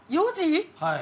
はい。